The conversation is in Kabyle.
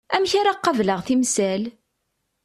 Amek ara qableɣ timsal?